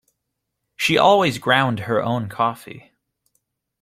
She always ground her own coffee.